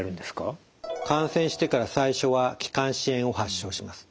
感染してから最初は気管支炎を発症します。